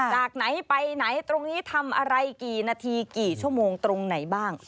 จากไหนไปไหนตรงนี้ทำอะไรกี่นาทีกี่ชั่วโมงตรงไหนบ้าง